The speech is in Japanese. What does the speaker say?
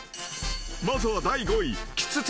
［まずは第５位］